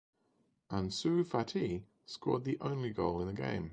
Ansu Fati scored the only goal in the game.